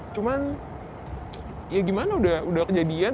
cuman ya gimana udah kejadian